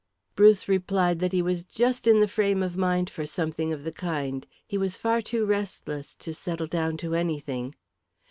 Bruce replied that he was just in the frame of mind for something of the kind. He was far too restless to settle down to anything.